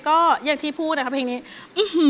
คืออย่างที่พูดแล้ว